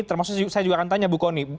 termasuk saya juga akan tanya bu kony